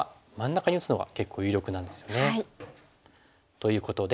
ということで。